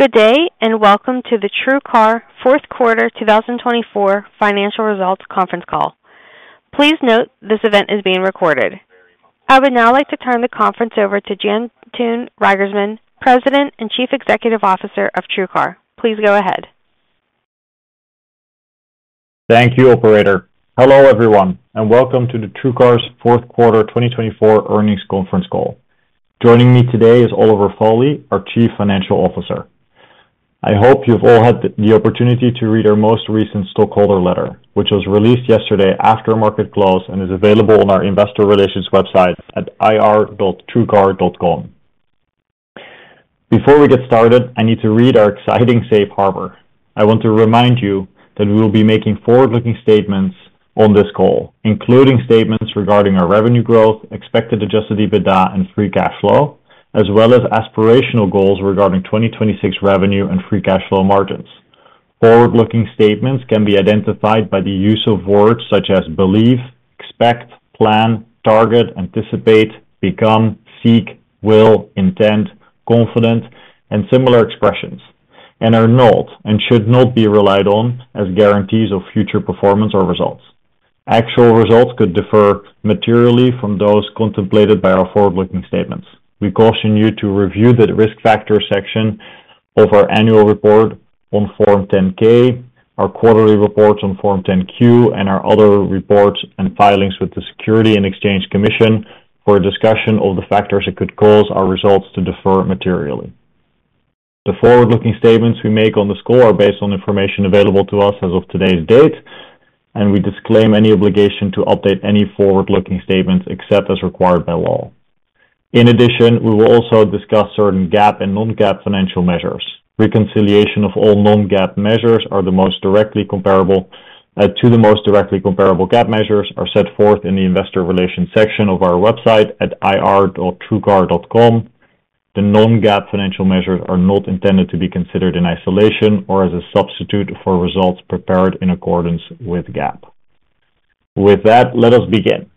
Good day and welcome to the TrueCar Fourth Quarter 2024 Financial Results Conference Call. Please note this event is being recorded. I would now like to turn the conference over to Jantoon Reigersman, President and Chief Executive Officer of TrueCar. Please go ahead. Thank you, Operator. Hello everyone and welcome to TrueCar's Fourth Quarter 2024 Earnings Conference Call. Joining me today is Oliver Foley, our Chief Financial Officer. I hope you've all had the opportunity to read our most recent stockholder letter, which was released yesterday after market close and is available on our investor relations website at ir.truecar.com. Before we get started, I need to read our exciting Safe Harbor. I want to remind you that we will be making forward-looking statements on this call, including statements regarding our revenue growth, expected adjusted EBITDA, and free cash flow, as well as aspirational goals regarding 2026 revenue and free cash flow margins. Forward-looking statements can be identified by the use of words such as believe, expect, plan, target, anticipate, become, seek, will, intend, confident, and similar expressions, and are not and should not be relied on as guarantees of future performance or results. Actual results could differ materially from those contemplated by our forward-looking statements. We caution you to review the risk factor section of our annual report on Form 10-K, our quarterly reports on Form 10-Q, and our other reports and filings with the Securities and Exchange Commission for a discussion of the factors that could cause our results to differ materially. The forward-looking statements we make on this call are based on information available to us as of today's date, and we disclaim any obligation to update any forward-looking statements except as required by law. In addition, we will also discuss certain GAAP and non-GAAP financial measures. Reconciliation of all non-GAAP measures to the most directly comparable GAAP measures are set forth in the investor relations section of our website at ir.truecar.com. The non-GAAP financial measures are not intended to be considered in isolation or as a substitute for results prepared in accordance with GAAP. With that, let us begin.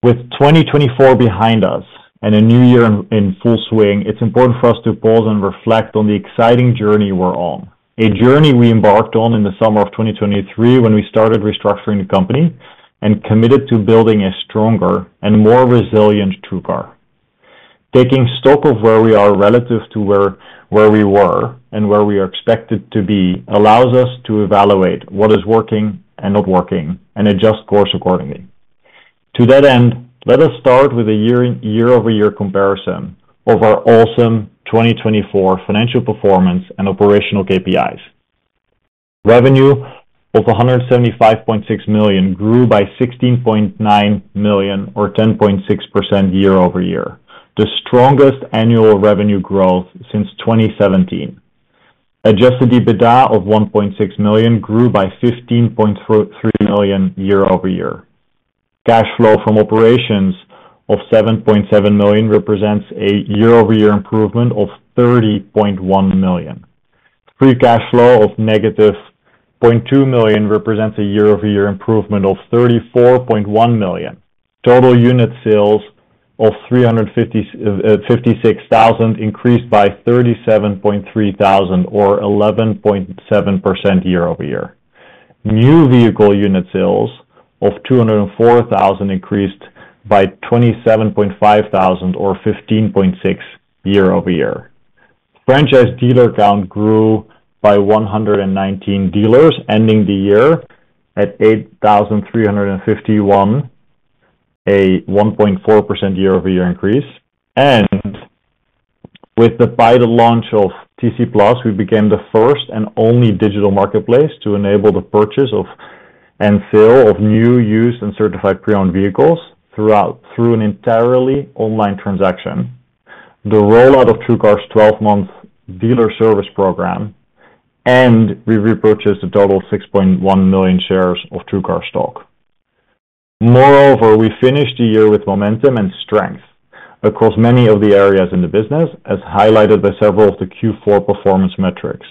With 2024 behind us and a new year in full swing, it's important for us to pause and reflect on the exciting journey we're on. A journey we embarked on in the summer of 2023 when we started restructuring the company and committed to building a stronger and more resilient TrueCar. Taking stock of where we are relative to where we were and where we are expected to be allows us to evaluate what is working and not working and adjust course accordingly. To that end, let us start with a year-over-year comparison of our awesome 2024 financial performance and operational KPIs. Revenue of $175.6 million grew by $16.9 million or 10.6% year-over-year, the strongest annual revenue growth since 2017. Adjusted EBITDA of $1.6 million grew by $15.3 million year-over-year. Cash flow from operations of $7.7 million represents a year-over-year improvement of $30.1 million. Free cash flow of - $0.2 million represents a year-over-year improvement of $34.1 million. Total unit sales of 356,000 increased by 37,300 or 11.7% year-over-year. New vehicle unit sales of 204,000 increased by 27,500 or 15.6% year-over-year. Franchise dealer count grew by 119 dealers ending the year at 8,351, a 1.4% year-over-year increase. With the launch of TC Plus, we became the first and only digital marketplace to enable the purchase and sale of new, used, and certified pre-owned vehicles through an entirely online transaction, the rollout of TrueCar's 12-month dealer service program, and we repurchased a total of 6.1 million shares of TrueCar stock. Moreover, we finished the year with momentum and strength across many of the areas in the business, as highlighted by several of the Q4 performance metrics.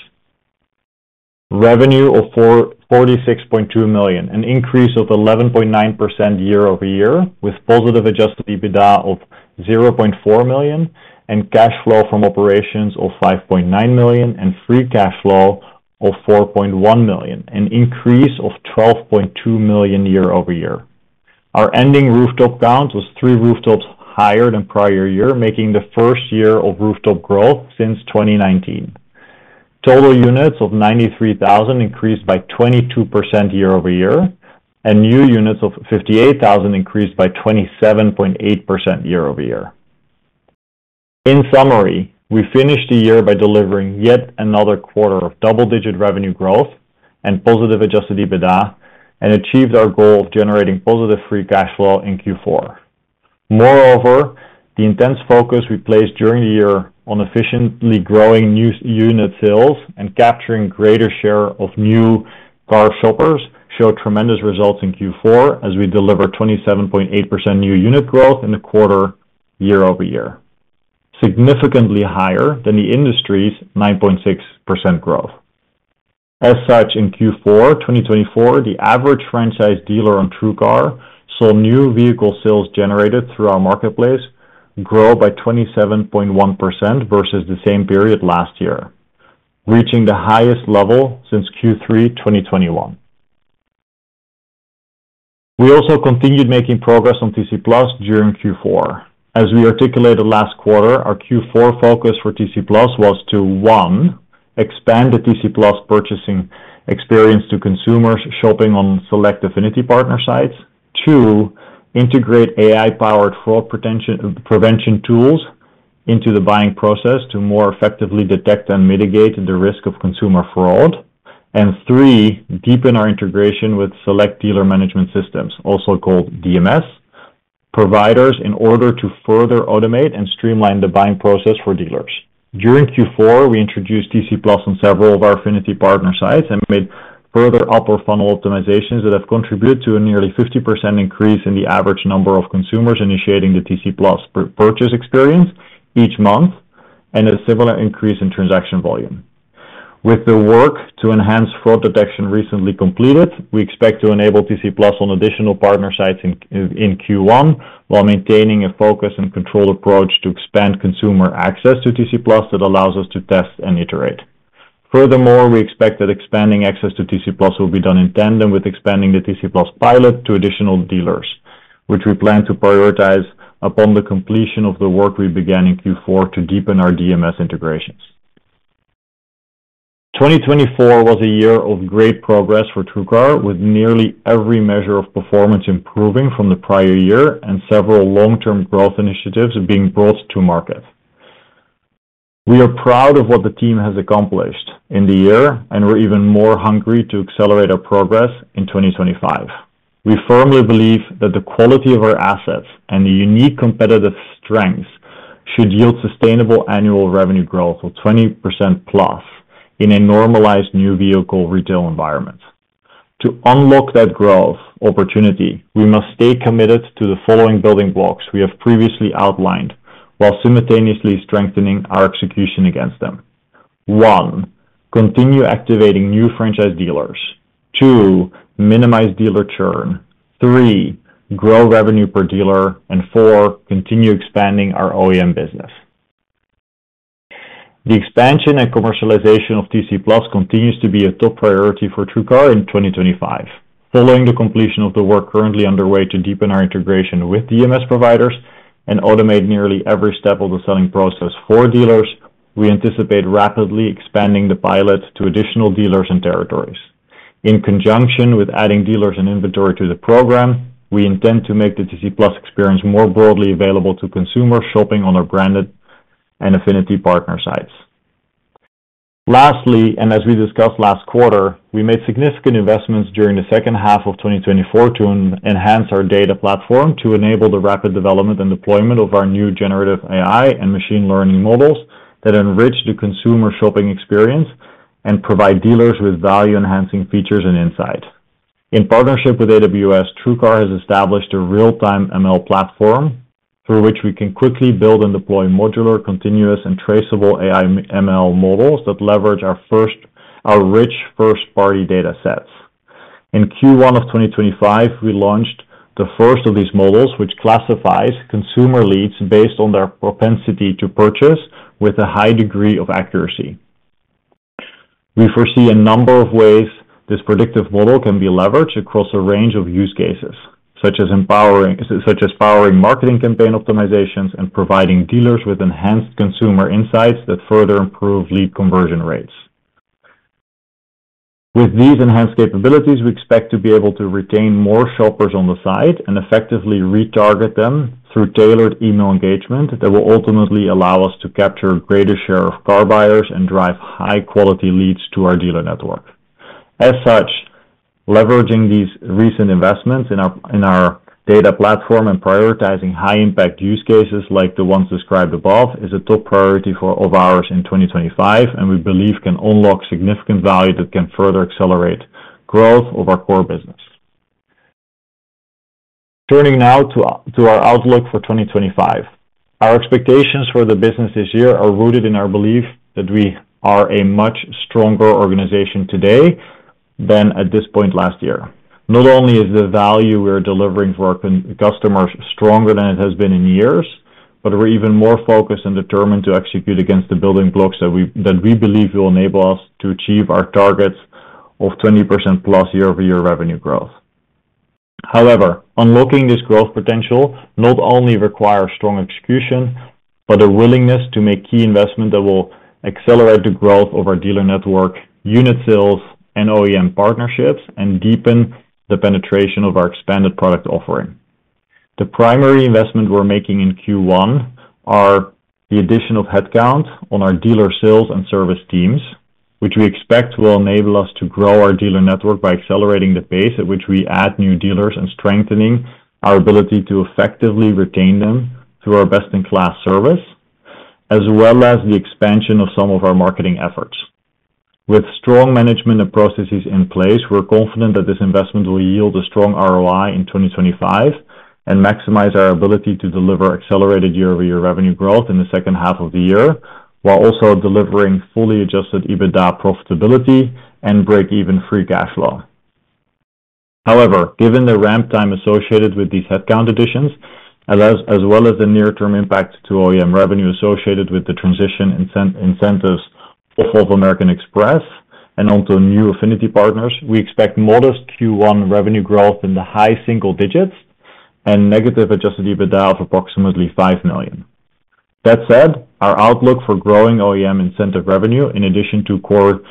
Revenue of $46.2 million, an increase of 11.9% year-over-year with positive adjusted EBITDA of $0.4 million, and cash flow from operations of $5.9 million and free cash flow of $4.1 million, an increase of $12.2 million year-over-year. Our ending rooftop count was three rooftops higher than prior year, making the first year of rooftop growth since 2019. Total units of 93,000 increased by 22% year-over-year, and new units of 58,000 increased by 27.8% year-over-year. In summary, we finished the year by delivering yet another quarter of double-digit revenue growth and positive adjusted EBITDA and achieved our goal of generating positive free cash flow in Q4. Moreover, the intense focus we placed during the year on efficiently growing new unit sales and capturing greater share of new car shoppers showed tremendous results in Q4 as we delivered 27.8% new unit growth in the quarter year-over-year, significantly higher than the industry's 9.6% growth. As such, in Q4 2024, the average franchise dealer on TrueCar saw new vehicle sales generated through our marketplace grow by 27.1% versus the same period last year, reaching the highest level since Q3 2021. We also continued making progress on TC Plus during Q4. As we articulated last quarter, our Q4 focus for TC Plus was to: one, expand the TC Plus purchasing experience to consumers shopping on select affinity partner sites; 2, integrate AI-powered fraud prevention tools into the buying process to more effectively detect and mitigate the risk of consumer fraud; and 3, deepen our integration with select dealer management systems, also called DMS providers, in order to further automate and streamline the buying process for dealers. During Q4, we introduced TC Plus on several of our affinity partner sites and made further upper-funnel optimizations that have contributed to a nearly 50% increase in the average number of consumers initiating the TC Plus purchase experience each month and a similar increase in transaction volume. With the work to enhance fraud detection recently completed, we expect to enable TC Plus on additional partner sites in Q1 while maintaining a focus and control approach to expand consumer access to TC Plus that allows us to test and iterate. Furthermore, we expect that expanding access to TC Plus will be done in tandem with expanding the TC Plus pilot to additional dealers, which we plan to prioritize upon the completion of the work we began in Q4 to deepen our DMS integrations. 2024 was a year of great progress for TrueCar, with nearly every measure of performance improving from the prior year and several long-term growth initiatives being brought to market. We are proud of what the team has accomplished in the year and are even more hungry to accelerate our progress in 2025. We firmly believe that the quality of our assets and the unique competitive strengths should yield sustainable annual revenue growth of 20% plus in a normalized new vehicle retail environment. To unlock that growth opportunity, we must stay committed to the following building blocks we have previously outlined while simultaneously strengthening our execution against them: 1, continue activating new franchise dealers; 2, minimize dealer churn; 3, grow revenue per dealer; and 4, continue expanding our OEM business. The expansion and commercialization of TC Plus continues to be a top priority for TrueCar in 2025. Following the completion of the work currently underway to deepen our integration with DMS providers and automate nearly every step of the selling process for dealers, we anticipate rapidly expanding the pilot to additional dealers and territories. In conjunction with adding dealers and inventory to the program, we intend to make the TC Plus experience more broadly available to consumers shopping on our branded and affinity partner sites. Lastly, as we discussed last quarter, we made significant investments during the second half of 2024 to enhance our data platform to enable the rapid development and deployment of our new generative AI and machine learning models that enrich the consumer shopping experience and provide dealers with value-enhancing features and insight. In partnership with AWS, TrueCar has established a real-time ML platform through which we can quickly build and deploy modular, continuous, and traceable AI ML models that leverage our rich first-party data sets. In Q1 of 2025, we launched the first of these models, which classifies consumer leads based on their propensity to purchase with a high degree of accuracy. We foresee a number of ways this predictive model can be leveraged across a range of use cases, such as powering marketing campaign optimizations and providing dealers with enhanced consumer insights that further improve lead conversion rates. With these enhanced capabilities, we expect to be able to retain more shoppers on the site and effectively retarget them through tailored email engagement that will ultimately allow us to capture a greater share of car buyers and drive high-quality leads to our dealer network. As such, leveraging these recent investments in our data platform and prioritizing high-impact use cases like the ones described above is a top priority for our buyers in 2025, and we believe can unlock significant value that can further accelerate growth of our core business. Turning now to our outlook for 2025, our expectations for the business this year are rooted in our belief that we are a much stronger organization today than at this point last year. Not only is the value we are delivering for our customers stronger than it has been in years, but we're even more focused and determined to execute against the building blocks that we believe will enable us to achieve our targets of 20%+ year-over-year revenue growth. However, unlocking this growth potential not only requires strong execution, but a willingness to make key investments that will accelerate the growth of our dealer network, unit sales, and OEM partnerships, and deepen the penetration of our expanded product offering. The primary investment we're making in Q1 is the addition of headcount on our dealer sales and service teams, which we expect will enable us to grow our dealer network by accelerating the pace at which we add new dealers and strengthening our ability to effectively retain them through our best-in-class service, as well as the expansion of some of our marketing efforts. With strong management and processes in place, we're confident that this investment will yield a strong ROI in 2025 and maximize our ability to deliver accelerated year-over-year revenue growth in the second half of the year, while also delivering fully adjusted EBITDA profitability and break-even free cash flow. However, given the ramp time associated with these headcount additions, as well as the near-term impact to OEM revenue associated with the transition incentives of North American Express and onto new affinity partners, we expect modest Q1 revenue growth in the high single digits and negative adjusted EBITDA of approximately $5 million. That said, our outlook for growing OEM incentive revenue, in addition to core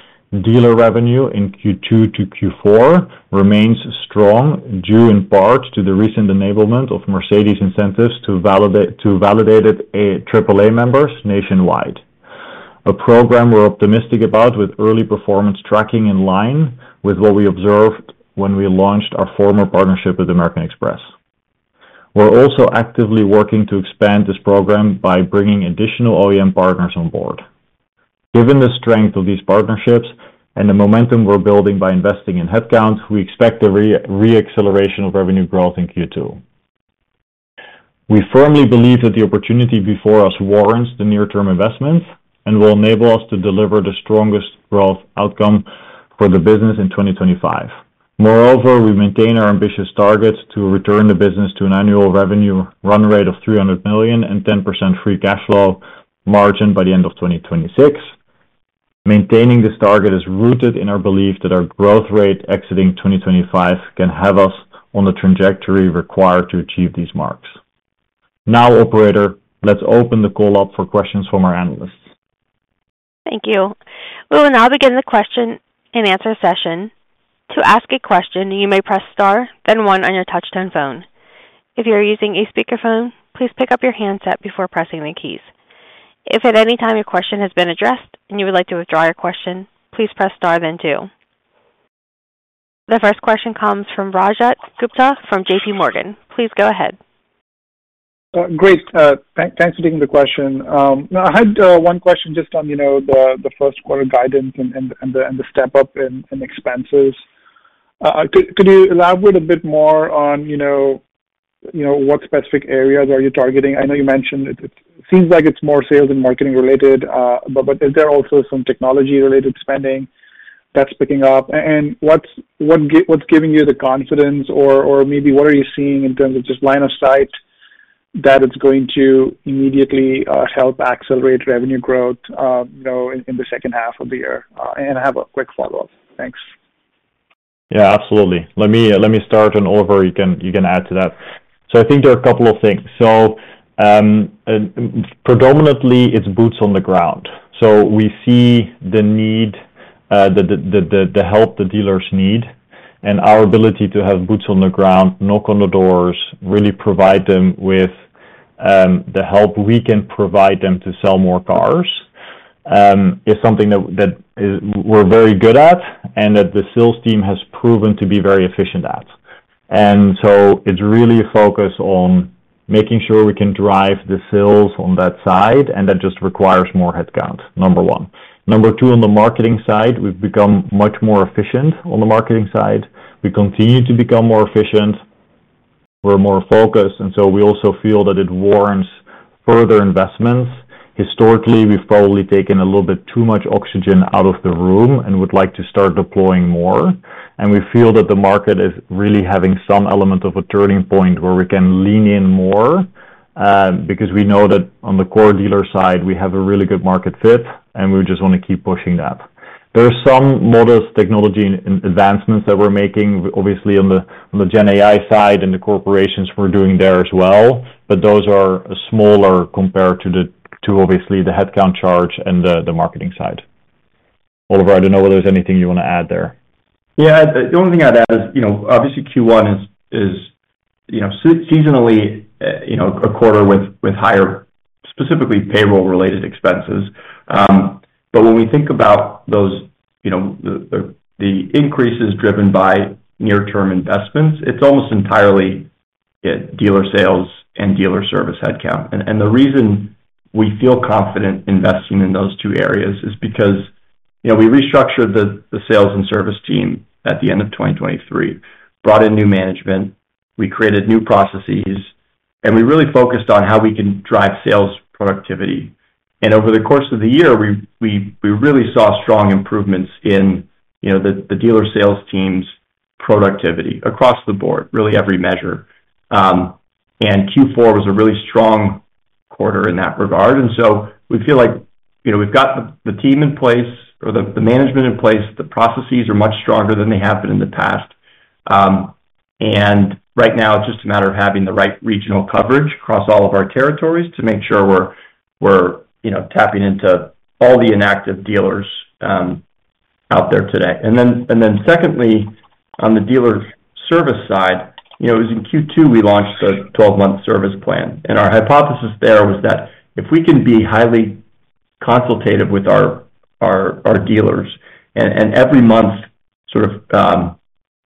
dealer revenue in Q2 to Q4, remains strong due in part to the recent enablement of Mercedes incentives to validate AAA members nationwide, a program we're optimistic about with early performance tracking in line with what we observed when we launched our former partnership with American Express. We're also actively working to expand this program by bringing additional OEM partners on board. Given the strength of these partnerships and the momentum we're building by investing in headcount, we expect a re-acceleration of revenue growth in Q2. We firmly believe that the opportunity before us warrants the near-term investments and will enable us to deliver the strongest growth outcome for the business in 2025. Moreover, we maintain our ambitious targets to return the business to an annual revenue run rate of $300 million and 10% free cash flow margin by the end of 2026. Maintaining this target is rooted in our belief that our growth rate exiting 2025 can have us on the trajectory required to achieve these marks. Now, operator, let's open the call up for questions from our analysts. Thank you. We will now begin the question and answer session. To ask a question, you may press star, then 1 on your touch-tone phone. If you're using a speakerphone, please pick up your handset before pressing the keys. If at any time your question has been addressed and you would like to withdraw your question, please press star, then 2. The first question comes from Rajat Gupta from JPMorgan. Please go ahead. Great. Thanks for taking the question. I had one question just on the first-quarter guidance and the step-up in expenses. Could you elaborate a bit more on what specific areas are you targeting? I know you mentioned it seems like it's more sales and marketing related, but is there also some technology-related spending that's picking up? What's giving you the confidence, or maybe what are you seeing in terms of just line of sight that it's going to immediately help accelerate revenue growth in the second half of the year? I have a quick follow-up. Thanks. Yeah, absolutely. Let me start, and Oliver you can add to that. I think there are a couple of things. Predominantly, it's boots on the ground. We see the need, the help the dealers need, and our ability to have boots on the ground, knock on the doors, really provide them with the help we can provide them to sell more cars is something that we're very good at and that the sales team has proven to be very efficient at. It is really a focus on making sure we can drive the sales on that side, and that just requires more headcount, number 1. Number 2, on the marketing side, we've become much more efficient on the marketing side. We continue to become more efficient. We're more focused, and we also feel that it warrants further investments. Historically, we've probably taken a little bit too much oxygen out of the room and would like to start deploying more. We feel that the market is really having some element of a turning point where we can lean in more because we know that on the core dealer side, we have a really good market fit, and we just want to keep pushing that. There are some modest technology advancements that we're making, obviously, on the GenAI side and the collaborations we're doing there as well, but those are smaller compared to, obviously, the headcount charge and the marketing side. Oliver, I don't know whether there's anything you want to add there. Yeah. The only thing I'd add is, obviously, Q1 is seasonally a quarter with higher, specifically, payroll-related expenses. When we think about the increases driven by near-term investments, it's almost entirely dealer sales and dealer service headcount. The reason we feel confident investing in those two areas is because we restructured the sales and service team at the end of 2023, brought in new management, we created new processes, and we really focused on how we can drive sales productivity. Over the course of the year, we really saw strong improvements in the dealer sales team's productivity across the board, really every measure. Q4 was a really strong quarter in that regard. We feel like we've got the team in place or the management in place. The processes are much stronger than they have been in the past. Right now, it's just a matter of having the right regional coverage across all of our territories to make sure we're tapping into all the inactive dealers out there today. Secondly, on the dealer service side, it was in Q2 we launched the 12-month service plan. Our hypothesis there was that if we can be highly consultative with our dealers and every month sort of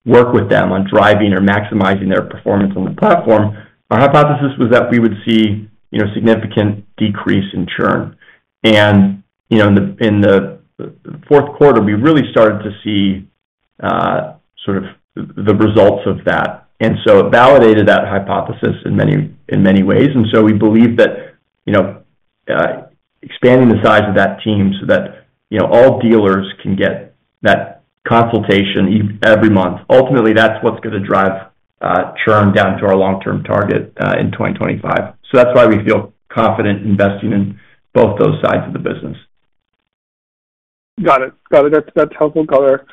work with them on driving or maximizing their performance on the platform, our hypothesis was that we would see a significant decrease in churn. In the fourth quarter, we really started to see sort of the results of that. It validated that hypothesis in many ways. We believe that expanding the size of that team so that all dealers can get that consultation every month, ultimately, that's what's going to drive churn down to our long-term target in 2025. That's why we feel confident investing in both those sides of the business. Got it. Got it. That's helpful, Color.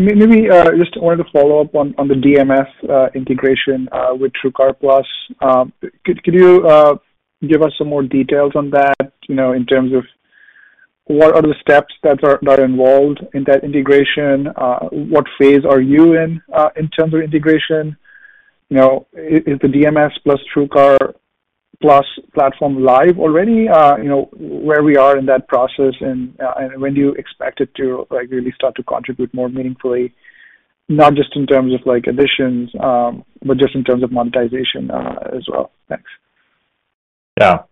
Maybe just wanted to follow up on the DMS integration with TrueCar Plus. Could you give us some more details on that in terms of what are the steps that are involved in that integration? What phase are you in in terms of integration? Is the DMS plus TrueCar Plus platform live already? Where we are in that process, and when do you expect it to really start to contribute more meaningfully, not just in terms of additions, but just in terms of monetization as well? Thanks. Yeah.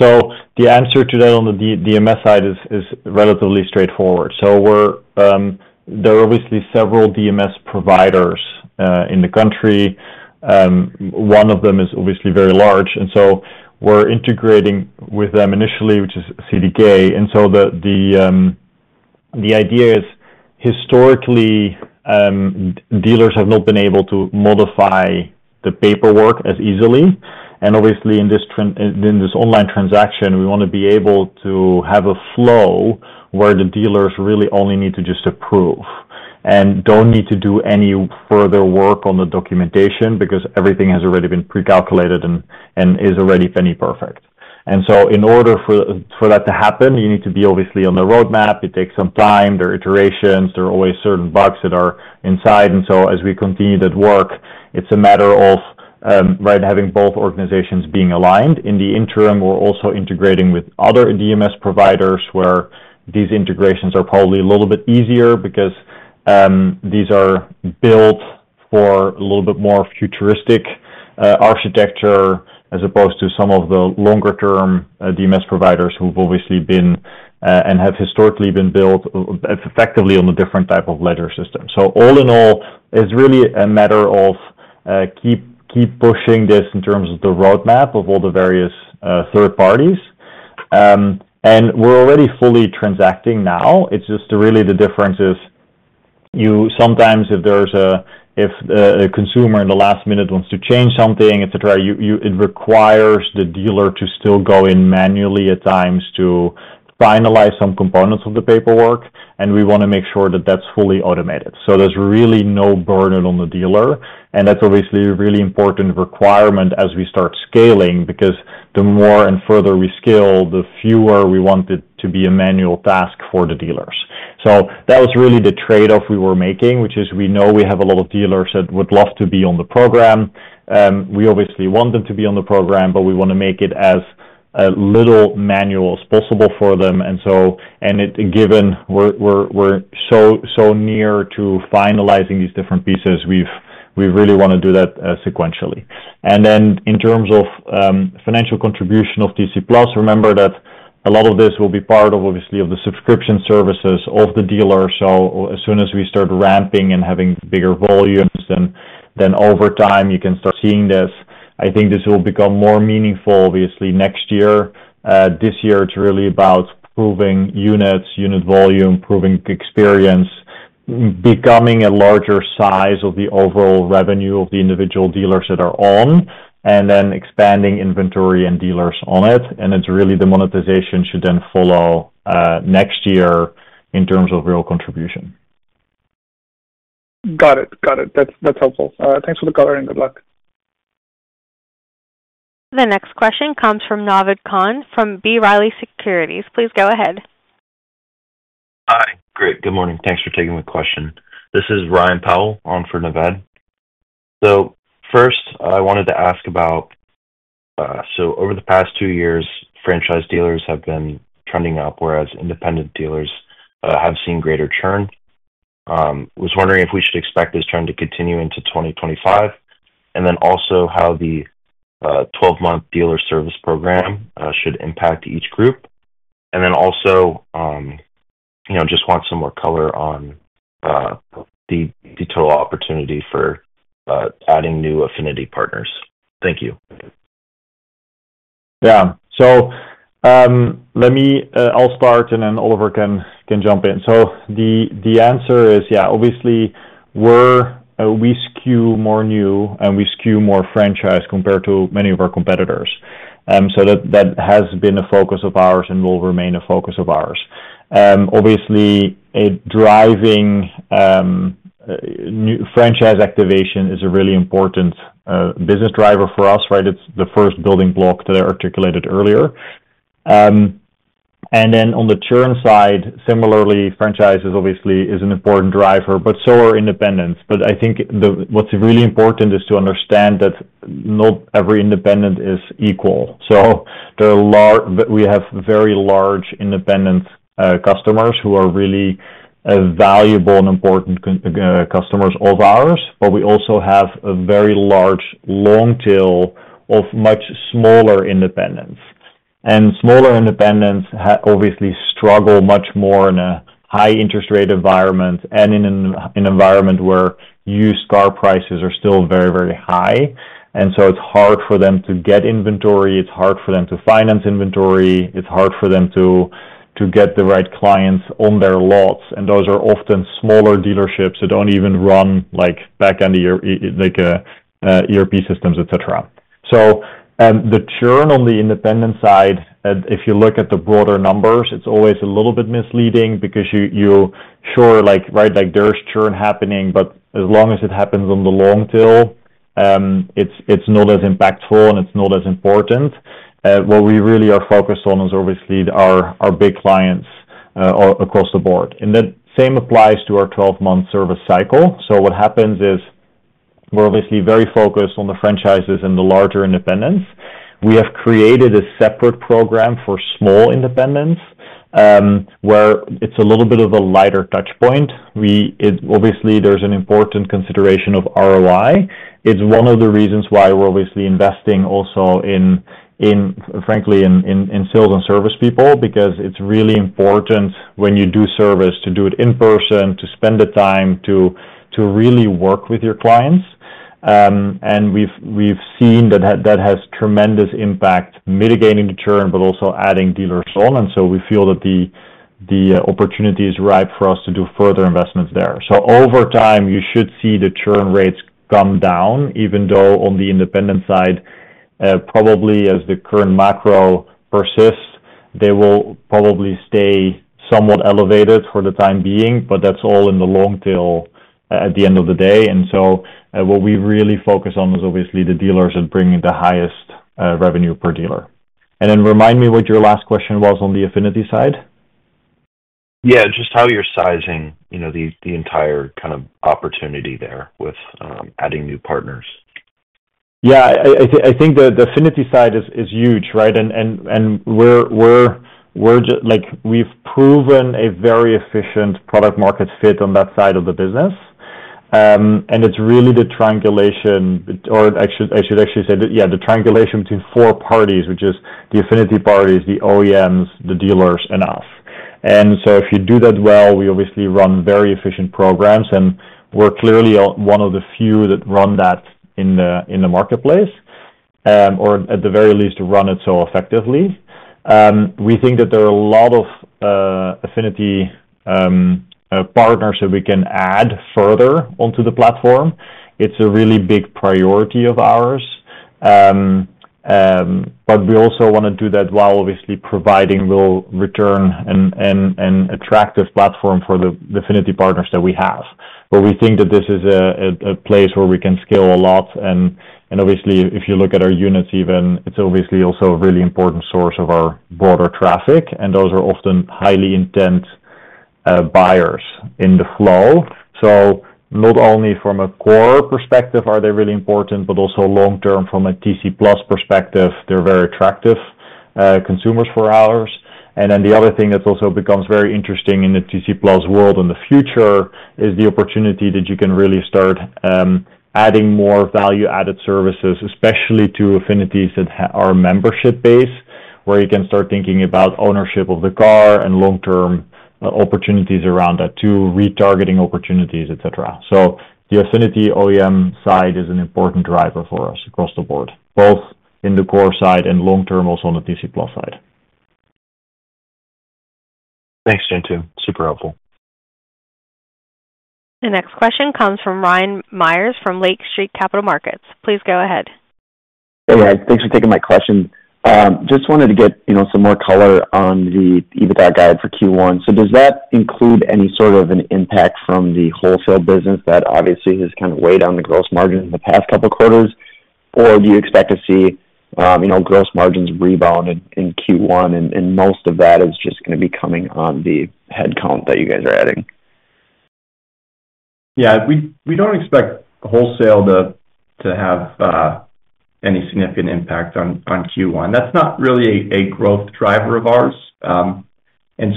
The answer to that on the DMS side is relatively straightforward. There are obviously several DMS providers in the country. One of them is obviously very large. We are integrating with them initially, which is CDK. The idea is, historically, dealers have not been able to modify the paperwork as easily. Obviously, in this online transaction, we want to be able to have a flow where the dealers really only need to just approve and do not need to do any further work on the documentation because everything has already been pre-calculated and is already penny-perfect. In order for that to happen, you need to be obviously on the roadmap. It takes some time. There are iterations. There are always certain bugs that are inside. As we continue that work, it is a matter of having both organizations being aligned. In the interim, we're also integrating with other DMS providers where these integrations are probably a little bit easier because these are built for a little bit more futuristic architecture as opposed to some of the longer-term DMS providers who've obviously been and have historically been built effectively on a different type of ledger system. All in all, it's really a matter of keep pushing this in terms of the roadmap of all the various third parties. We're already fully transacting now. It's just really the difference is sometimes if there's a consumer in the last minute wants to change something, etc., it requires the dealer to still go in manually at times to finalize some components of the paperwork. We want to make sure that that's fully automated. There's really no burden on the dealer. That's obviously a really important requirement as we start scaling because the more and further we scale, the fewer we want it to be a manual task for the dealers. That was really the trade-off we were making, which is we know we have a lot of dealers that would love to be on the program. We obviously want them to be on the program, but we want to make it as little manual as possible for them. Given we're so near to finalizing these different pieces, we really want to do that sequentially. In terms of financial contribution of TC Plus, remember that a lot of this will be part of, obviously, the subscription services of the dealer. As soon as we start ramping and having bigger volumes, then over time, you can start seeing this. I think this will become more meaningful, obviously, next year. This year is really about proving units, unit volume, proving experience, becoming a larger size of the overall revenue of the individual dealers that are on, and then expanding inventory and dealers on it. It is really the monetization should then follow next year in terms of real contribution. Got it. Got it. That's helpful. Thanks for the color and good luck. The next question comes from Navid Khan from B. Riley Securities. Please go ahead. Hi. Great. Good morning. Thanks for taking my question. This is Ryan Powell on for Navid. First, I wanted to ask about, over the past 2 years, franchise dealers have been trending up, whereas independent dealers have seen greater churn. I was wondering if we should expect this trend to continue into 2025, and then also how the 12-month dealer service program should impact each group. I just want some more color on the total opportunity for adding new affinity partners. Thank you. Yeah. I'll start, and then Oliver can jump in. The answer is, yeah, obviously, we skew more new, and we skew more franchise compared to many of our competitors. That has been a focus of ours and will remain a focus of ours. Obviously, driving franchise activation is a really important business driver for us, right? It's the first building block that I articulated earlier. On the churn side, similarly, franchise is obviously an important driver, but so are independents. I think what's really important is to understand that not every independent is equal. We have very large independent customers who are really valuable and important customers of ours, but we also have a very large long tail of much smaller independents. Smaller independents obviously struggle much more in a high-interest rate environment and in an environment where used car prices are still very, very high. It is hard for them to get inventory. It is hard for them to finance inventory. It is hard for them to get the right clients on their lots. Those are often smaller dealerships that do not even run back-end ERP systems, etc. The churn on the independent side, if you look at the broader numbers, is always a little bit misleading because you are sure, right, there is churn happening, but as long as it happens on the long tail, it is not as impactful and it is not as important. What we really are focused on is obviously our big clients across the board. That same applies to our 12-month service cycle. What happens is we're obviously very focused on the franchises and the larger independents. We have created a separate program for small independents where it's a little bit of a lighter touchpoint. Obviously, there's an important consideration of ROI. It's one of the reasons why we're obviously investing also, frankly, in sales and service people because it's really important when you do service to do it in person, to spend the time, to really work with your clients. We've seen that that has tremendous impact, mitigating the churn, but also adding dealers on. We feel that the opportunity is ripe for us to do further investments there. Over time, you should see the churn rates come down, even though on the independent side, probably as the current macro persists, they will probably stay somewhat elevated for the time being, but that's all in the long tail at the end of the day. What we really focus on is obviously the dealers and bringing the highest revenue per dealer. Remind me what your last question was on the affinity side. Yeah. Just how you're sizing the entire kind of opportunity there with adding new partners. Yeah. I think the affinity side is huge, right? And we've proven a very efficient product-market fit on that side of the business. It's really the triangulation, or I should actually say, yeah, the triangulation between 4 parties, which is the affinity parties, the OEMs, the dealers, and us. If you do that well, we obviously run very efficient programs, and we're clearly one of the few that run that in the marketplace, or at the very least, run it so effectively. We think that there are a lot of affinity partners that we can add further onto the platform. It is a really big priority of ours. We also want to do that while obviously providing real return and attractive platform for the affinity partners that we have. We think that this is a place where we can scale a lot. Obviously, if you look at our units even, it is also a really important source of our broader traffic. Those are often highly intense buyers in the flow. Not only from a core perspective, are they really important, but also long-term from a TC Plus perspective, they're very attractive consumers for ours. The other thing that also becomes very interesting in the TC Plus world in the future is the opportunity that you can really start adding more value-added services, especially to affinities that are membership-based, where you can start thinking about ownership of the car and long-term opportunities around that too, retargeting opportunities, etc. The affinity OEM side is an important driver for us across the board, both in the core side and long-term also on the TC Plus side. Thanks, Jantoon. Super helpful. The next question comes from Ryan Myers from Lake Street Capital Markets. Please go ahead. Hey, Ryan. Thanks for taking my question. Just wanted to get some more color on the EBITDA guide for Q1. Does that include any sort of an impact from the wholesale business that obviously has kind of weighed on the gross margin in the past couple of quarters, or do you expect to see gross margins rebound in Q1, and most of that is just going to be coming on the headcount that you guys are adding? Yeah. We do not expect wholesale to have any significant impact on Q1. That is not really a growth driver of ours. When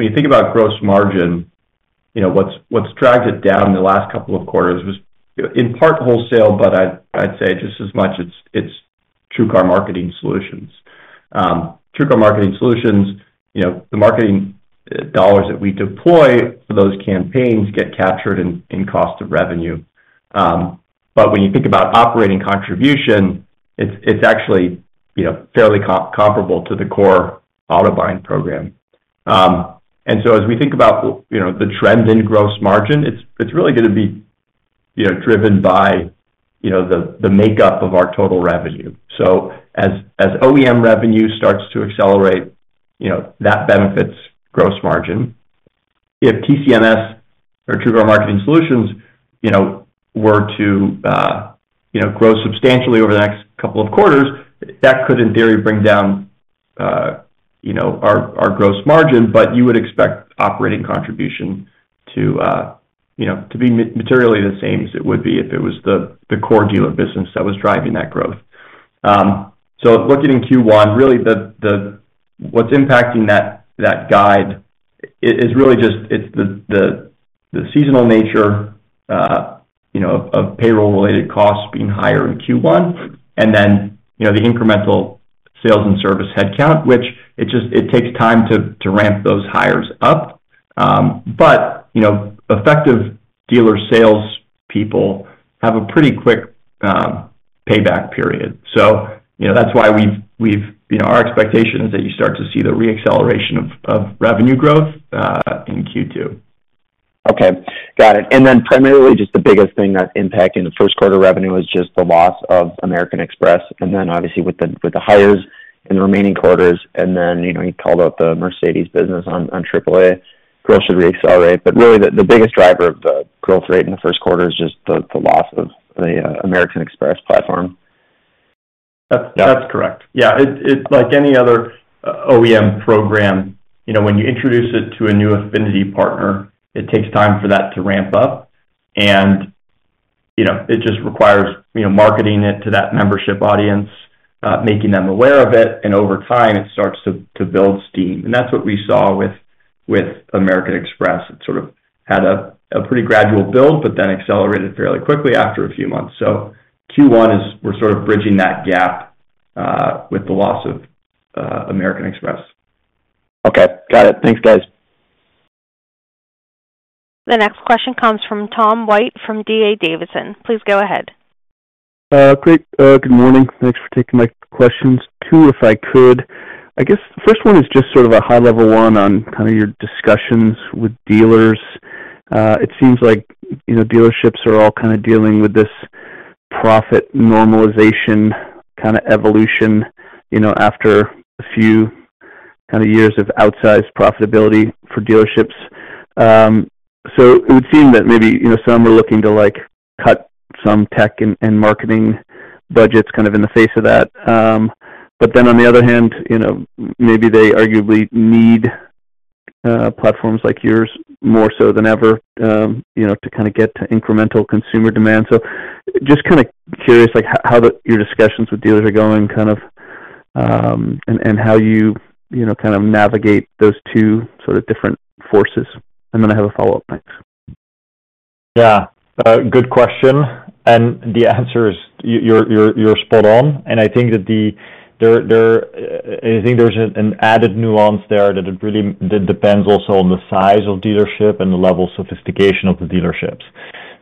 you think about gross margin, what has dragged it down in the last couple of quarters was in part wholesale, but I would say just as much it is TrueCar Marketing Solutions. TrueCar Marketing Solutions, the marketing dollars that we deploy for those campaigns get captured in cost of revenue. When you think about operating contribution, it is actually fairly comparable to the core auto buying program. As we think about the trend in gross margin, it's really going to be driven by the makeup of our total revenue. As OEM revenue starts to accelerate, that benefits gross margin. If TCMS or TrueCar Marketing Solutions were to grow substantially over the next couple of quarters, that could, in theory, bring down our gross margin, but you would expect operating contribution to be materially the same as it would be if it was the core dealer business that was driving that growth. Looking in Q1, really what's impacting that guide is just the seasonal nature of payroll-related costs being higher in Q1, and then the incremental sales and service headcount, which it takes time to ramp those hires up. Effective dealer salespeople have a pretty quick payback period. That is why our expectation is that you start to see the re-acceleration of revenue growth in Q2. Okay. Got it. Then primarily, just the biggest thing that impacted the first quarter revenue is just the loss of American Express, and then obviously with the hires in the remaining quarters, and then you called out the Mercedes business on AAA growth should re-accelerate. Really, the biggest driver of the growth rate in the first quarter is just the loss of the American Express platform. That is correct. Yeah. Like any other OEM program, when you introduce it to a new affinity partner, it takes time for that to ramp up, and it just requires marketing it to that membership audience, making them aware of it, and over time, it starts to build steam. That is what we saw with American Express. It sort of had a pretty gradual build, but then accelerated fairly quickly after a few months. Q1, we're sort of bridging that gap with the loss of American Express. Okay. Got it. Thanks, guys. The next question comes from Tom White from D.A. Davidson. Please go ahead. Great. Good morning. Thanks for taking my questions. 2, if I could, I guess the first one is just sort of a high-level one on kind of your discussions with dealers. It seems like dealerships are all kind of dealing with this profit normalization kind of evolution after a few kind of years of outsized profitability for dealerships. It would seem that maybe some are looking to cut some tech and marketing budgets kind of in the face of that. Then, on the other hand, maybe they arguably need platforms like yours more so than ever to kind of get to incremental consumer demand. Just kind of curious how your discussions with dealers are going kind of and how you kind of navigate those two sort of different forces. I have a follow-up. Thanks. Yeah. Good question. The answer is you're spot on. I think there's an added nuance there that it really depends also on the size of dealership and the level of sophistication of the dealerships.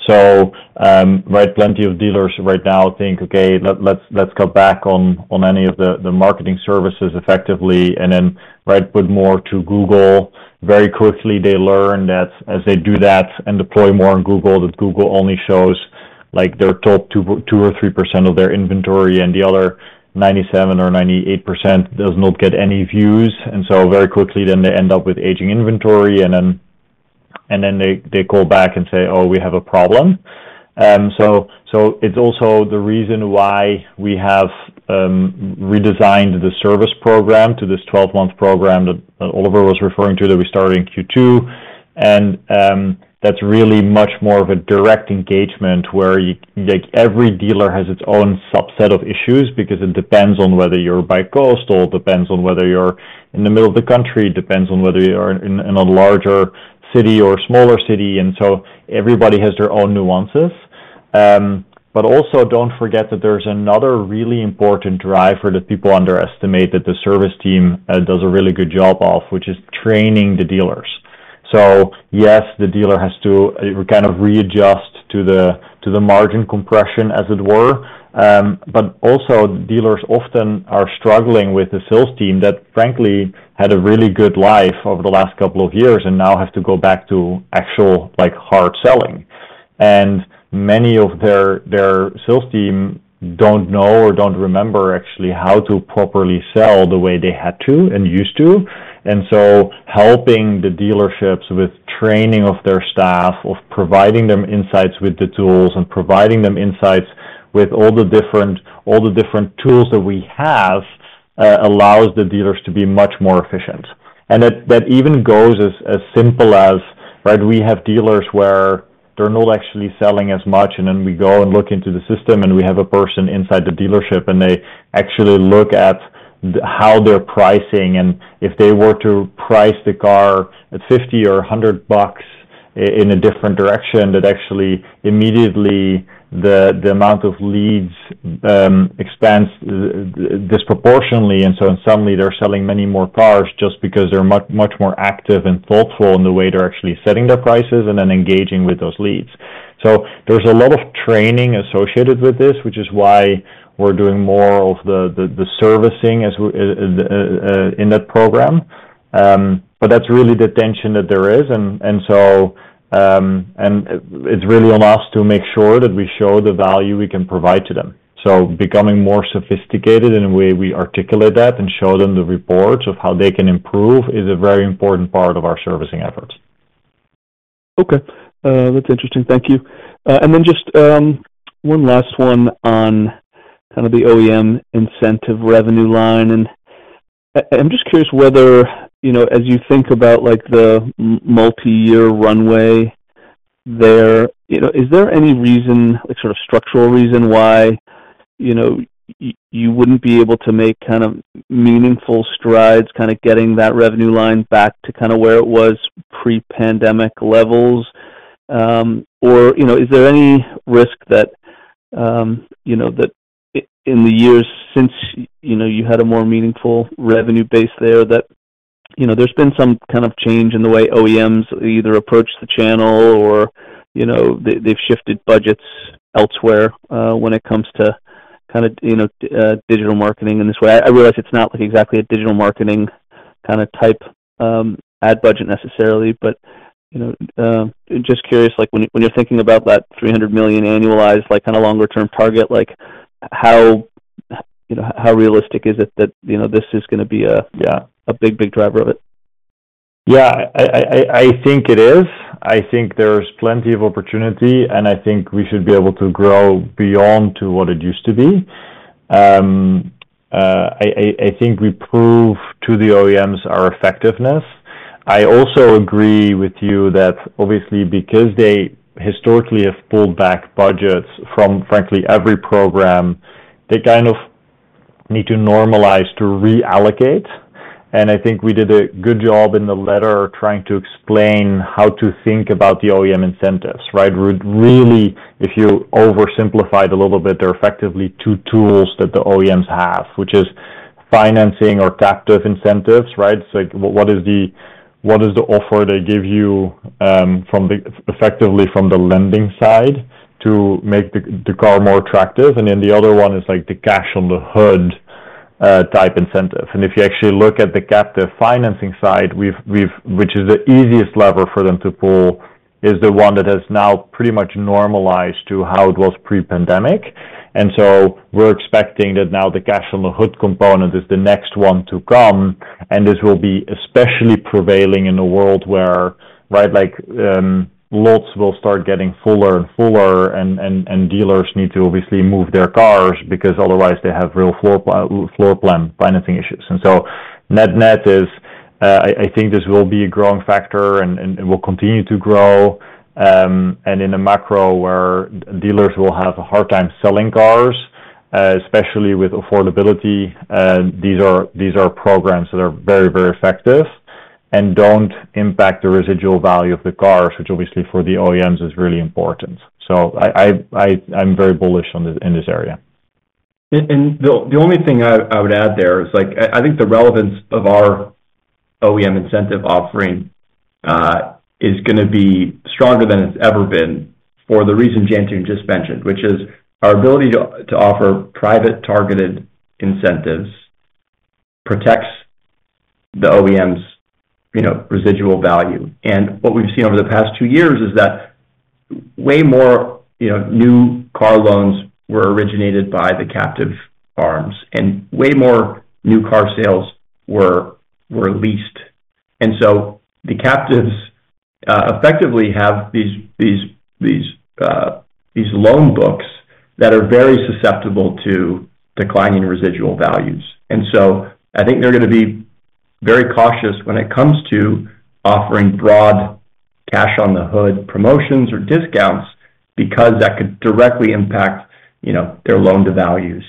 Right, plenty of dealers right now think, "Okay, let's cut back on any of the marketing services effectively and then put more to Google." Very quickly, they learn that as they do that and deploy more on Google, that Google only shows their top 2 or 3% of their inventory, and the other 97 or 98% does not get any views. Very quickly, then they end up with aging inventory, and they call back and say, "Oh, we have a problem." It is also the reason why we have redesigned the service program to this 12-month program that Oliver was referring to that we started in Q2. That is really much more of a direct engagement where every dealer has its own subset of issues because it depends on whether you're by coastal, depends on whether you're in the middle of the country, depends on whether you're in a larger city or smaller city. Everybody has their own nuances. Also, do not forget that there is another really important driver that people underestimate that the service team does a really good job of, which is training the dealers. Yes, the dealer has to kind of readjust to the margin compression, as it were. Also, dealers often are struggling with the sales team that, frankly, had a really good life over the last couple of years and now have to go back to actual hard selling. Many of their sales team do not know or do not remember actually how to properly sell the way they had to and used to. Helping the dealerships with training of their staff, providing them insights with the tools, and providing them insights with all the different tools that we have allows the dealers to be much more efficient. That even goes as simple as, right, we have dealers where they are not actually selling as much, and we go and look into the system, and we have a person inside the dealership, and they actually look at how they are pricing. If they were to price the car at $50 or $100 in a different direction, that actually immediately the amount of leads expands disproportionately. Suddenly, they're selling many more cars just because they're much more active and thoughtful in the way they're actually setting their prices and then engaging with those leads. There's a lot of training associated with this, which is why we're doing more of the servicing in that program. That's really the tension that there is. It's really on us to make sure that we show the value we can provide to them. Becoming more sophisticated in the way we articulate that and show them the reports of how they can improve is a very important part of our servicing efforts. Okay. That's interesting. Thank you. One last one on kind of the OEM incentive revenue line. I'm just curious whether, as you think about the multi-year runway there, is there any reason, sort of structural reason, why you wouldn't be able to make kind of meaningful strides, kind of getting that revenue line back to kind of where it was pre-pandemic levels? Is there any risk that in the years since you had a more meaningful revenue base there, that there's been some kind of change in the way OEMs either approach the channel or they've shifted budgets elsewhere when it comes to kind of digital marketing in this way? I realize it's not exactly a digital marketing kind of type ad budget necessarily, but just curious, when you're thinking about that $300 million annualized, kind of longer-term target, how realistic is it that this is going to be a big, big driver of it? Yeah. I think it is. I think there's plenty of opportunity, and I think we should be able to grow beyond to what it used to be. I think we prove to the OEMs our effectiveness. I also agree with you that, obviously, because they historically have pulled back budgets from, frankly, every program, they kind of need to normalize to reallocate. I think we did a good job in the letter trying to explain how to think about the OEM incentives, right? Really, if you oversimplify it a little bit, there are effectively two tools that the OEMs have, which is financing or captive incentives, right? What is the offer they give you effectively from the lending side to make the car more attractive? The other one is the cash-on-the-hood type incentive. If you actually look at the captive financing side, which is the easiest lever for them to pull, it is the one that has now pretty much normalized to how it was pre-pandemic. We are expecting that now the cash-on-the-hood component is the next one to come, and this will be especially prevailing in a world where, right, lots will start getting fuller and fuller, and dealers need to obviously move their cars because otherwise they have real floor plan financing issues. Net-net is, I think this will be a growing factor and will continue to grow. In a macro where dealers will have a hard time selling cars, especially with affordability, these are programs that are very, very effective and do not impact the residual value of the cars, which obviously for the OEMs is really important. I am very bullish in this area. The only thing I would add there is I think the relevance of our OEM incentive offering is going to be stronger than it's ever been for the reason Jantoon just mentioned, which is our ability to offer private targeted incentives protects the OEM's residual value. What we've seen over the past two years is that way more new car loans were originated by the captive firms and way more new car sales were leased. The captives effectively have these loan books that are very susceptible to declining residual values. I think they're going to be very cautious when it comes to offering broad cash-on-the-hood promotions or discounts because that could directly impact their loan-to-values.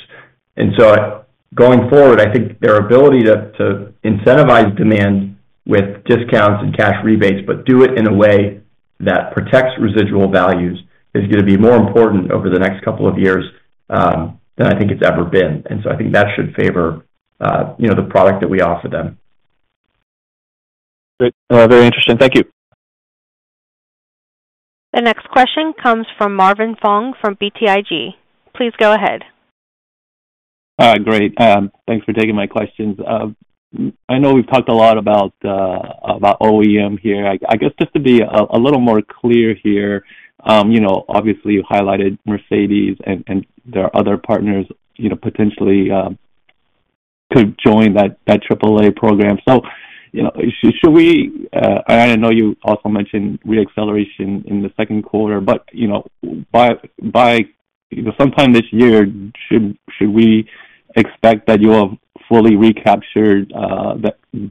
Going forward, I think their ability to incentivize demand with discounts and cash rebates, but do it in a way that protects residual values, is going to be more important over the next couple of years than I think it's ever been. I think that should favor the product that we offer them. Great. Very interesting. Thank you. The next question comes from Marvin Fong from BTIG. Please go ahead. Great. Thanks for taking my questions. I know we've talked a lot about OEM here. I guess just to be a little more clear here, obviously, you highlighted Mercedes, and there are other partners potentially could join that AAA program. Should we and I know you also mentioned re-acceleration in the second quarter but by sometime this year, should we expect that you will have fully recaptured the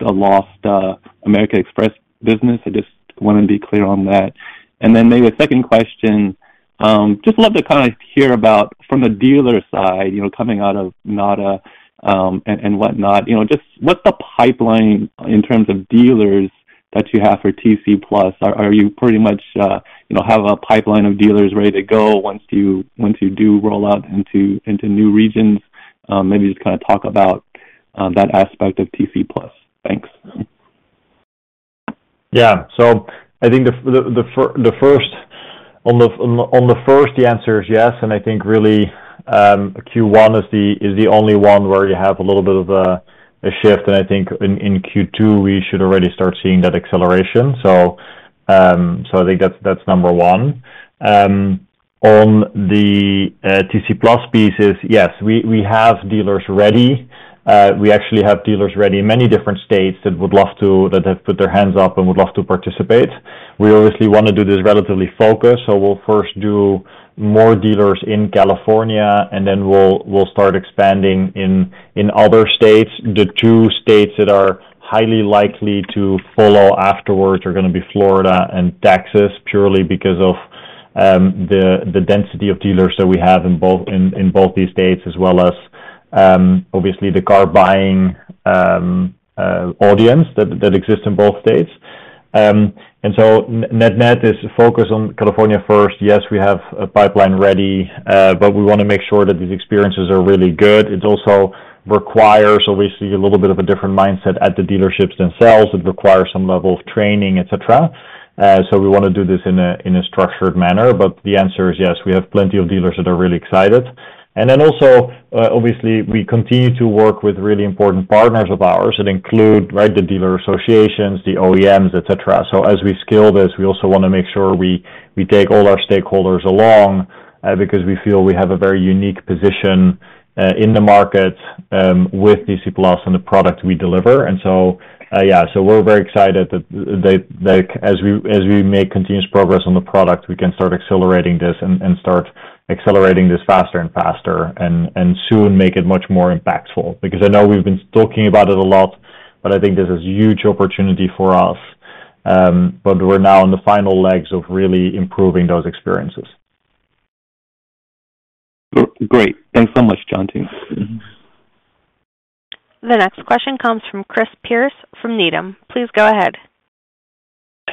lost American Express business? I just want to be clear on that. Maybe a second question. Just love to kind of hear about, from the dealer side, coming out of NADA and whatnot, just what's the pipeline in terms of dealers that you have for TC Plus? Are you pretty much have a pipeline of dealers ready to go once you do roll out into new regions? Maybe just kind of talk about that aspect of TC Plus. Thanks. Yeah. I think the first answer is yes. I think really Q1 is the only one where you have a little bit of a shift. I think in Q2, we should already start seeing that acceleration. I think that's number one. On the TC Plus pieces, yes, we have dealers ready. We actually have dealers ready in many different states that would love to that have put their hands up and would love to participate. We obviously want to do this relatively focused. We will first do more dealers in California, and then we will start expanding in other states. The two states that are highly likely to follow afterwards are going to be Florida and Texas purely because of the density of dealers that we have in both these states, as well as obviously the car buying audience that exists in both states. Net-net is focused on California first. Yes, we have a pipeline ready, but we want to make sure that these experiences are really good. It also requires, obviously, a little bit of a different mindset at the dealerships themselves. It requires some level of training, etc. We want to do this in a structured manner. The answer is yes. We have plenty of dealers that are really excited. Obviously, we continue to work with really important partners of ours. It includes the dealer associations, the OEMs, etc. As we scale this, we also want to make sure we take all our stakeholders along because we feel we have a very unique position in the market with TC Plus and the product we deliver. Yeah, we are very excited that as we make continuous progress on the product, we can start accelerating this and start accelerating this faster and faster and soon make it much more impactful. I know we've been talking about it a lot, but I think this is a huge opportunity for us. We are now in the final legs of really improving those experiences. Great. Thanks so much, Jantoon. The next question comes from Chris Pierce from Needham. Please go ahead.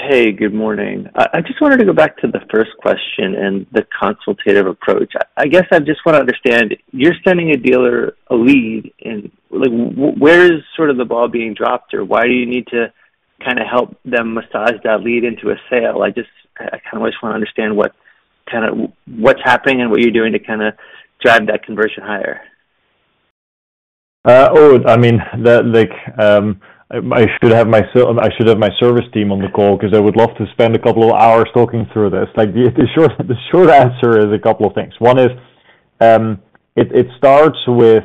Hey, good morning. I just wanted to go back to the first question and the consultative approach. I guess I just want to understand. You're sending a dealer a lead, and where is sort of the ball being dropped, or why do you need to kind of help them massage that lead into a sale? I kind of just want to understand what's happening and what you're doing to kind of drive that conversion higher. I mean, I should have my I should have my service team on the call because I would love to spend a couple of hours talking through this. The short answer is a couple of things. One is it starts with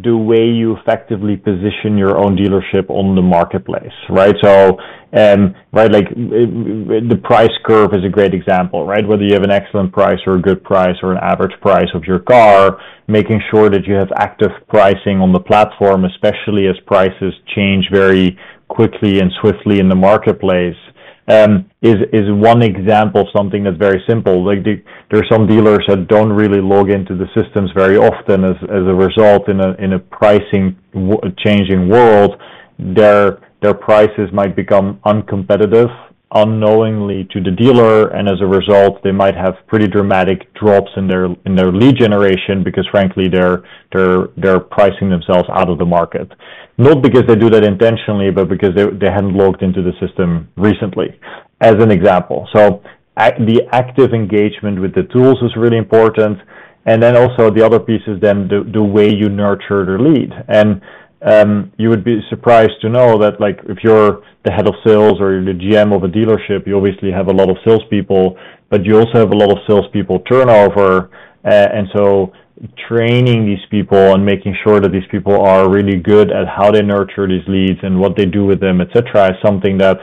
the way you effectively position your own dealership on the marketplace, right? So the price curve is a great example, right? Whether you have an excellent price or a good price or an average price of your car, making sure that you have active pricing on the platform, especially as prices change very quickly and swiftly in the marketplace, is one example of something that's very simple. There are some dealers that don't really log into the systems very often. As a result, in a pricing-changing world, their prices might become uncompetitive unknowingly to the dealer. As a result, they might have pretty dramatic drops in their lead generation because, frankly, they're pricing themselves out of the market. Not because they do that intentionally, but because they haven't logged into the system recently, as an example. The active engagement with the tools is really important. The other piece is then the way you nurture the lead. You would be surprised to know that if you're the head of sales or the GM of a dealership, you obviously have a lot of salespeople, but you also have a lot of salespeople turnover. Training these people and making sure that these people are really good at how they nurture these leads and what they do with them, etc., is something that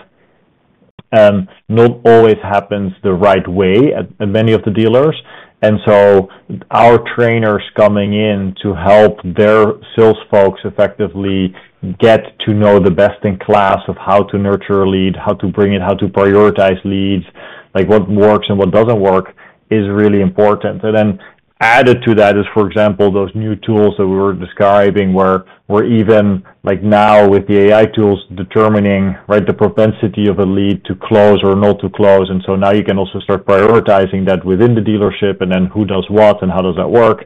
not always happens the right way at many of the dealers. Our trainers coming in to help their sales folks effectively get to know the best in class of how to nurture a lead, how to bring it, how to prioritize leads, what works and what doesn't work, is really important. Added to that is, for example, those new tools that we were describing where we're even now with the AI tools determining the propensity of a lead to close or not to close. Now you can also start prioritizing that within the dealership and then who does what and how does that work.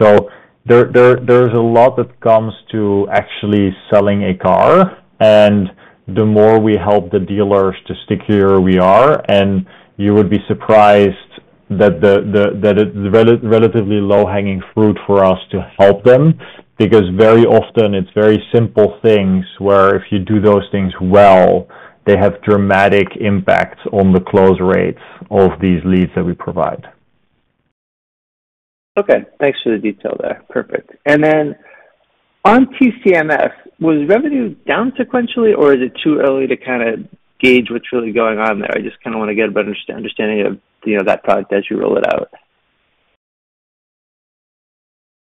There is a lot that comes to actually selling a car. The more we help the dealers to stick here, we are. You would be surprised that it's relatively low-hanging fruit for us to help them because very often it's very simple things where if you do those things well, they have dramatic impacts on the close rates of these leads that we provide. Okay. Thanks for the detail there. Perfect. On TCMS, was revenue down sequentially, or is it too early to kind of gauge what's really going on there? I just kind of want to get a better understanding of that product as you roll it out.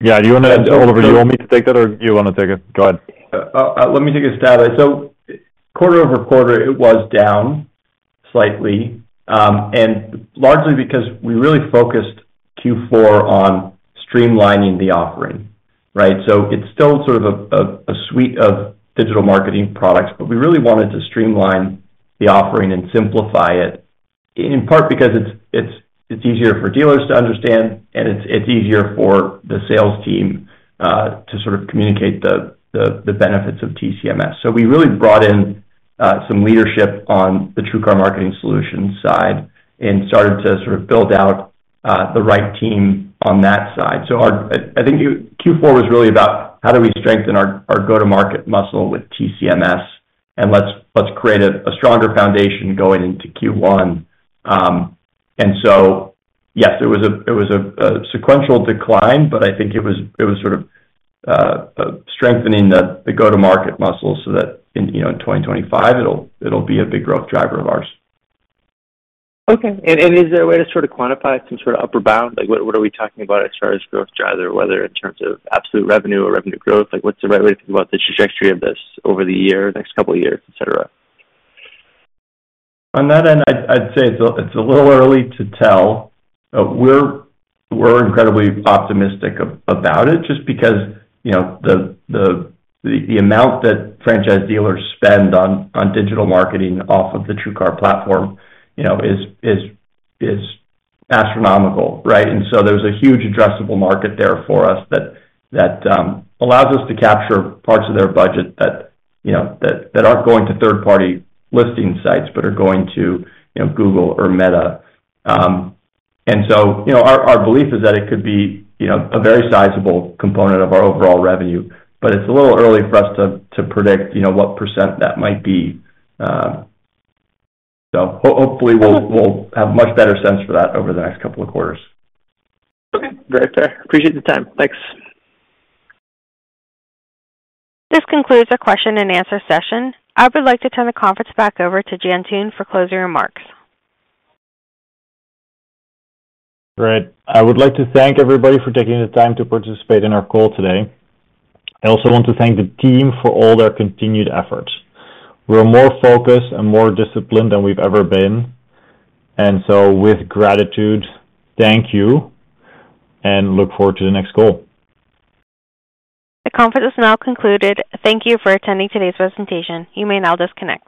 Yeah. Do you want to—Oliver—do you want me to take that, or do you want to take it? Go ahead. Let me take a stab at it. Quarter over quarter, it was down slightly, and largely because we really focused Q4 on streamlining the offering, right? It is still sort of a suite of digital marketing products, but we really wanted to streamline the offering and simplify it in part because it is easier for dealers to understand, and it is easier for the sales team to sort of communicate the benefits of TCMS. We really brought in some leadership on the TrueCar Marketing Solutions side and started to sort of build out the right team on that side. I think Q4 was really about how do we strengthen our go-to-market muscle with TCMS, and let's create a stronger foundation going into Q1. Yes, it was a sequential decline, but I think it was sort of strengthening the go-to-market muscle so that in 2025, it'll be a big growth driver of ours. Okay. Is there a way to sort of quantify some sort of upper bound? What are we talking about as far as growth driver, whether in terms of absolute revenue or revenue growth? What's the right way to think about the trajectory of this over the year, next couple of years, etc.? On that end, I'd say it's a little early to tell. We're incredibly optimistic about it just because the amount that franchise dealers spend on digital marketing off of the TrueCar platform is astronomical, right? There is a huge addressable market there for us that allows us to capture parts of their budget that are not going to third-party listing sites but are going to Google or Meta. Our belief is that it could be a very sizable component of our overall revenue, but it is a little early for us to predict what % that might be. Hopefully, we will have a much better sense for that over the next couple of quarters. Okay. Very fair. Appreciate the time. Thanks. This concludes our question-and-answer session. I would like to turn the conference back over to Jantoon for closing remarks. Great. I would like to thank everybody for taking the time to participate in our call today. I also want to thank the team for all their continued efforts. We're more focused and more disciplined than we've ever been. With gratitude, thank you, and look forward to the next call. The conference is now concluded. Thank you for attending today's presentation. You may now disconnect.